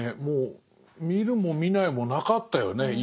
もう見るも見ないもなかったよね。